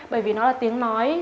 bởi vì nó là tiếng nói